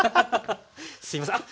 すいませんあっ！